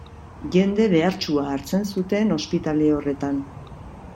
Jende behartsua hartzen zuten ospitale horretan.